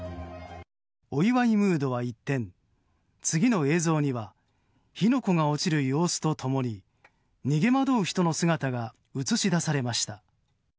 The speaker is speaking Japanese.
お祝いムードは一転次の映像には火の粉が落ちる様子と共に逃げ惑う人の姿が映し出されました。